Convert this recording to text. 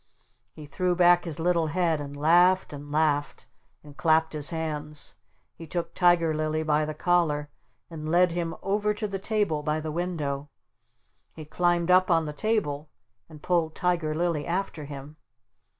He threw back his little head and laughed and laughed and clapped his hands. He took Tiger Lily by the collar and led him over to the table by the window. He climbed up on the table and pulled Tiger Lily after him.